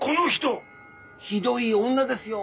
ひどい女ですよ。